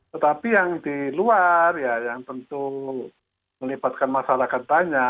tetapi yang di luar ya yang tentu melibatkan masyarakat banyak